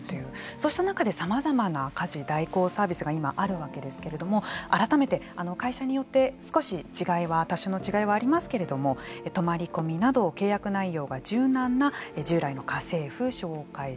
そうした中でさまざまな家事代行サービスがあるわけですけれども改めて会社によって少し違いは多少の違いはありますけれども泊まり込みなど契約内容が柔軟な従来の家政婦紹介所